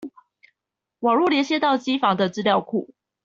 網路連線到機房的資料庫